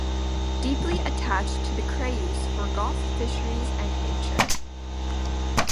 Deeply attached to the Creuse for Golf Fisheries and nature.